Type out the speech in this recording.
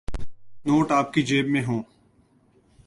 Note آپ کی جیب میں ہوں۔